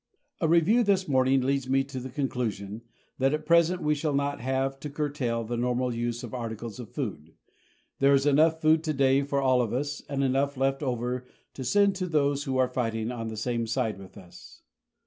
A review this morning leads me to the conclusion that at present we shall not have to curtail the normal use of articles of food. There is enough food today for all of us and enough left over to send to those who are fighting on the same side with us.